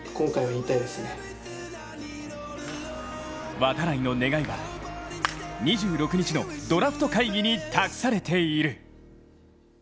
度会の願いは２６日のドラフト会議に託されている。